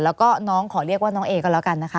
แล้วก็น้องขอเรียกว่าน้องเอก็แล้วกันนะคะ